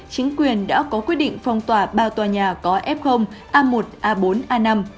chính quyền đã có quyết định phong tỏa ba tòa nhà có f a một a bốn a năm